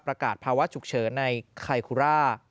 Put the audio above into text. ประกาศภาวะฉุกเฉินในคาคุร่า